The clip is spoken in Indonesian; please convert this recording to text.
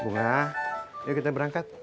bunga yuk kita berangkat